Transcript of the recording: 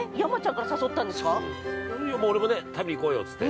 俺もね、食べ行こうよっつって。